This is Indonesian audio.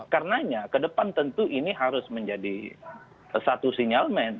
karenanya ke depan tentu ini harus menjadi satu sinyalmen